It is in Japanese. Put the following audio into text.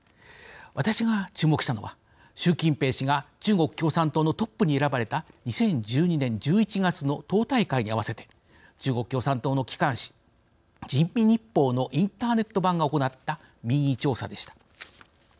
私が注目したのは習近平氏が中国共産党のトップに選ばれた２０１２年１１月の党大会に合わせて中国共産党の機関紙「人民日報」のインターネット版が行った民意調査でした。